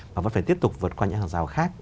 và vẫn phải tiếp tục vượt qua những hàng rào khác